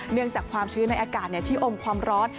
จากความชื้นในอากาศที่อมความร้อน